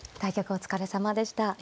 お疲れさまでした。